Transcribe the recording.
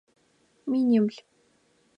Минибл.